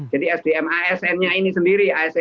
jadi sdm asn nya ini sendiri